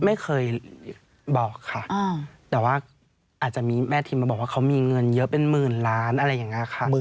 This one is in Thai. ไม่เคยบอกค่ะแต่ว่าอาจจะมีแม่ทิมมาบอกว่าเขามีเงินเยอะเป็นหมื่นล้านอะไรอย่างนี้ค่ะ